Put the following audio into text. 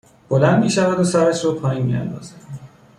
بلند میشود و سرش را پایین میاندازد